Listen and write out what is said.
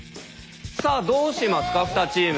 さあどうしますか２チーム。